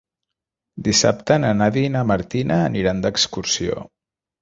Dissabte na Nàdia i na Martina aniran d'excursió.